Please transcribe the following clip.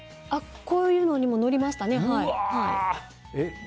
こういうのにも乗りましたね。